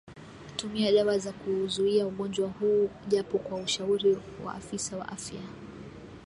Tumia dawa za kuuzuia ugonjwa huu japo kwa ushauri wa afisa wa afya